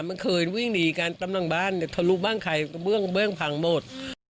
มันคืนวิ่งหนีกันตรงนั่งบ้านเขารู้บ้างใครเบื้องพังหมด